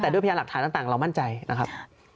แต่ด้วยพยานหลักฐานต่างเรามั่นใจนะครับ